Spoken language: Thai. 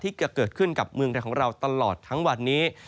ที่จะเกิดขึ้นกับเมืองไทยของเราตลอดทั้งวันนี้